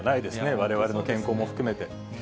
われわれの健康も含めて。